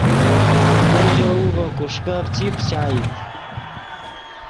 تو ژے وُو ڤے کوݰکف چی پچائیت